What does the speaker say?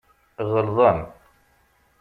Ɣelḍen.